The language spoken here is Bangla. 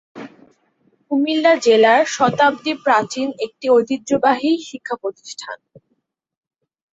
কুমিল্লা জেলার শতাব্দী প্রাচীন একটি ঐতিহ্যবাহী শিক্ষা প্রতিষ্ঠান।